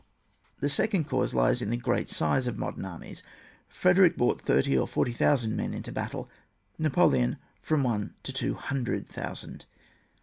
The second cause lies in the great size of modem armies. Frederick brought thirty or forty thousand men into battle ; Napoleon from one to two hundred thousand.